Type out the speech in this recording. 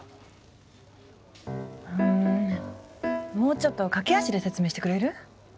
うんもうちょっと駆け足で説明してくれる？